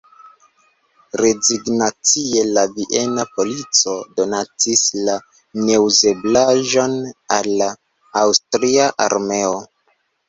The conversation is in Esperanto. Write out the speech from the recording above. Rezignacie la viena polico donacis la neuzeblaĵon al la aŭstria armeo.